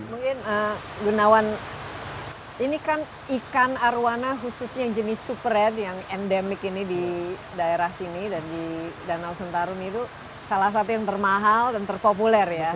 mungkin gunawan ini kan ikan arowana khususnya jenis super red yang endemik ini di daerah sini dan di danau sentarum itu salah satu yang termahal dan terpopuler ya